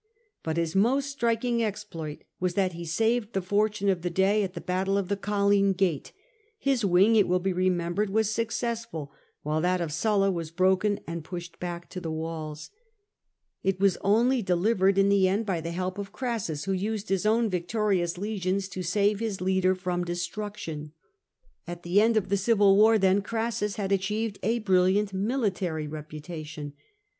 But his most striking exploit was that he saved the fortune of the day at the battle of the Colline gate ; his wing, it will be remem bered, was successful, while that of Sulla was broken and pushed back to the walls. It was only delivered in the end by the help of Crassus, who used his own victorious legions to save his leader from destruction. At the end of the civil war, then, Crassus had achieved a brilliant military reputation.